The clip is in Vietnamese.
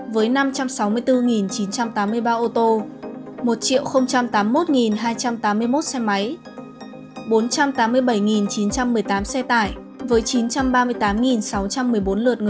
với năm trăm sáu mươi bốn chín trăm tám mươi ba ô tô một tám mươi một hai trăm tám mươi một xe máy bốn trăm tám mươi bảy chín trăm một mươi tám xe tải với chín trăm ba mươi tám sáu trăm một mươi bốn lượt người